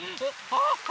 あっ！